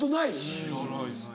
・知らないです・